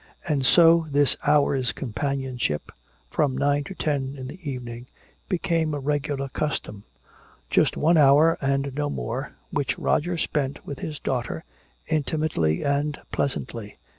And so this hour's companionship, from nine to ten in the evening, became a regular custom just one hour and no more, which Roger spent with his daughter, intimately and pleasantly.